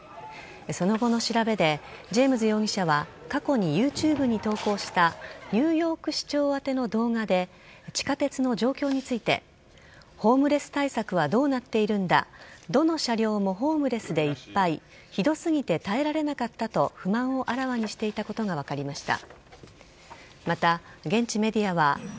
その後の調べでジェームズ容疑者は過去にＹｏｕＴｕｂｅに投稿したニューヨーク市長宛ての動画で地下鉄の状況についてホームレス対策はどうなっているんだどの車両もホームレスでいっぱいひどすぎて耐えられなかったと不満をあらわにしていたことが分かりました。